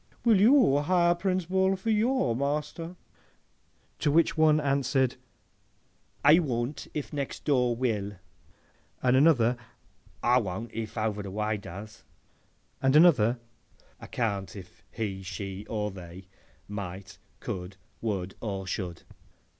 —Will you hire Prince Bull for your master?' To which one answered, 'I will if next door will;' and another, 'I won't if over the way does;' and another, 'I can't if he, she, or they, might, could, would, or should.